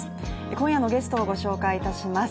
今夜のゲストをご紹介します。